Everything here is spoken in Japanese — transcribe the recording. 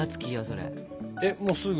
えっもうすぐ。